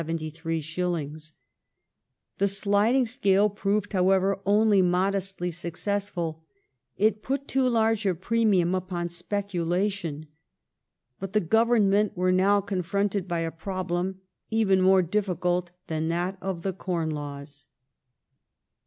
when the price rose to 73s, The sliding scale proved, however, only moderately suc cessful ; it put too large a premium upon speculation. But the Government were now confronted by a problem even more difficult than that of the Corn Laws.